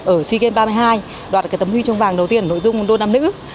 ở sea games ba mươi hai đoạt tấm huy trông vàng đầu tiên nội dung đô nam nữ